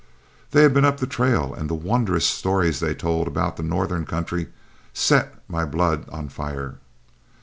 They had been up the trail, and the wondrous stories they told about the northern country set my blood on fire.